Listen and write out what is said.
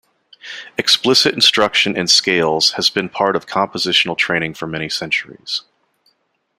Explicit instruction in scales has been part of compositional training for many centuries.